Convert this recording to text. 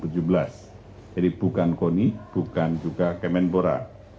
jadi bukan koni bukan juga kemenbora